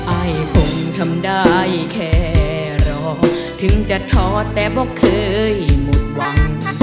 อายคงทำได้แค่รอถึงจะท้อแต่บอกเคยหมดหวัง